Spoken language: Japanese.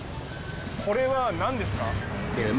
これは何ですか。